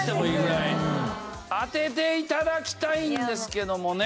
当てて頂きたいんですけどもね。